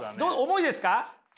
重いですか？